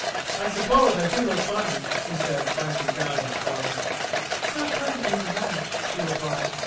"I suppose I do look funny," he said, glancing down at his clothes. "It's not kind of me to laugh," she replied.